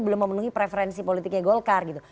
belum memenuhi preferensi politiknya golkar gitu